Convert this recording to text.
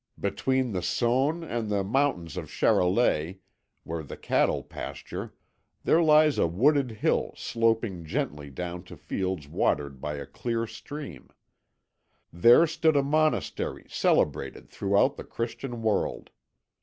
"Between the Saône and the mountains of Charolais, where the cattle pasture, there lies a wooded hill sloping gently down to fields watered by a clear stream. There stood a monastery celebrated throughout the Christian world.